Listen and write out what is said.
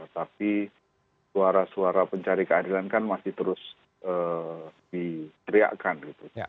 tapi suara suara pencari keadilan kan masih terus diteriakan gitu